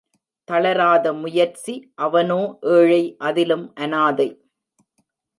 தளராத முயற்சி அவனோ ஏழை அதிலும் அனாதை.